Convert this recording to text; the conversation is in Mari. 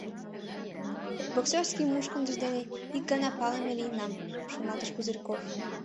Боксёрский мушкындыж дене ик гана палыме лийынам», — шоналтыш Пузырьков.